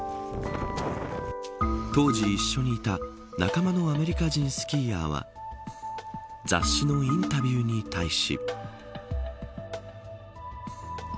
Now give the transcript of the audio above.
当時、一緒にいた仲間のアメリカ人スキーヤーは雑誌のインタビューに対し。